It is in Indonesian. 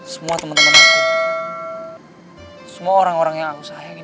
semua orang orang yang aku sayangin